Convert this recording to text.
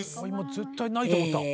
絶対ないと思った。